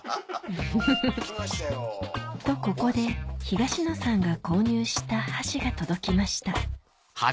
フフフフフとここで東野さんが購入した箸が届きました